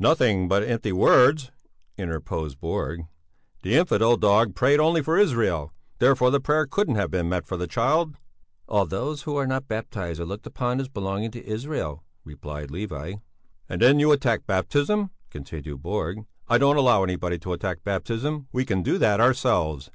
"Nothing but empty words," interposed Borg. "The infidel dog prayed only for Israel; therefore the prayer couldn't have been meant for the child." "All those who are not baptized are looked upon as belonging to Israel," replied Levi. "And then you attacked baptism," continued Borg. "I don't allow anybody to attack baptism we can do that ourselves.